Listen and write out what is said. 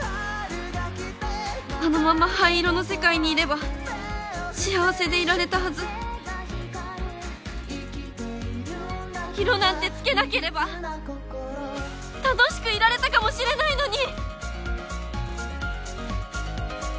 このまま灰色の世界にいれば幸せでいられたはず色なんて付けなければ楽しくいられたかもしれないのに！